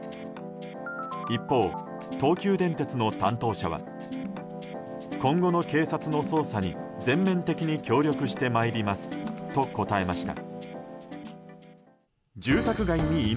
一方、東急電鉄の担当者は今後の警察の捜査に全面的に協力してまいりますと答えました。